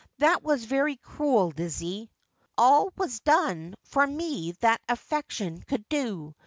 That was very cruel, Lizzie.' ' All was done for me that affection could do.